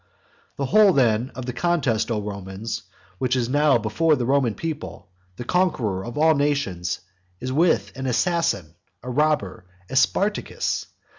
The whole then of the contest, O Romans, which is now before the Roman people, the conqueror of all nations, is with an assassin, a robber, a Spartacus.